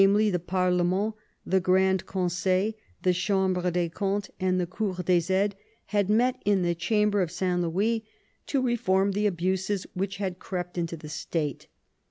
the Parkment^ the Grand ConseU, the Chamhre des Comptes, the Cour des Aides, had met in the Chamber of St Louis, "to reform the abuses which had crept into the State."